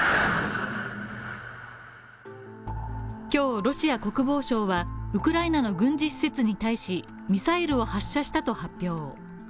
今日、ロシア国防省はウクライナの軍事施設に対しミサイルを発射したと発表。